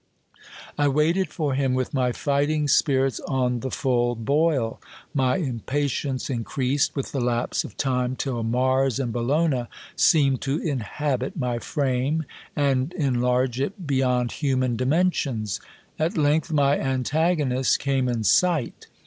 I waited for him with my fighting spirits on the full boil : my impatiencemcreased with the lapse of time, till Mars and Bellona seemed to inhabit my frame, and enlarge it be yond human dimensions. At length my antagonist came in sight.